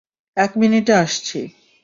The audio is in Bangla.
এক মিনিটে আসছি।